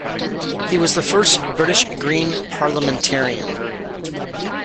He was the first British Green parliamentarian.